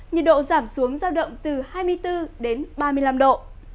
nhiệt độ giảm xuống giao động từ hai mươi bốn đến ba mươi năm độ